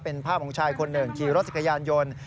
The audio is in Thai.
เป็นผ้ามงชายคนหนึ่งขี่รถสิคยานยนต์